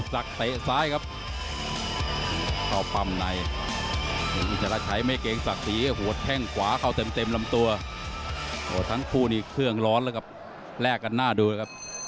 ยักษ์ไส้ยักษ์ไส้หมดยกสอง